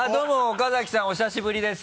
岡崎さんお久しぶりです。